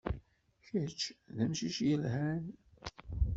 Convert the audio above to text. Kečč d amcic yelhan.